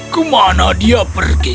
kemana dia pergi